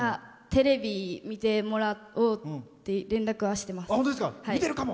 テレビ見てもらおうって連絡はしてます。